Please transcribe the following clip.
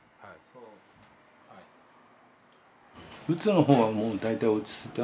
うつのほうはもう大体落ち着いた？